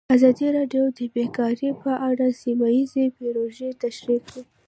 ازادي راډیو د بیکاري په اړه سیمه ییزې پروژې تشریح کړې.